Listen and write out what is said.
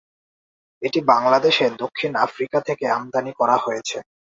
এটি বাংলাদেশে দক্ষিণ আফ্রিকা থেকে আমদানী করা হয়েছে।